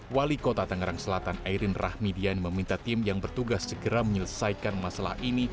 wali kota tangerang selatan airin rahmidian meminta tim yang bertugas segera menyelesaikan masalah ini